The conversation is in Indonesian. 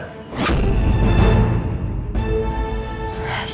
ada yang kamu takutkan elsa